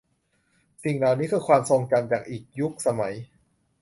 สิ่งเหล่านี้คือความทรงจำจากอีกยุคสมัย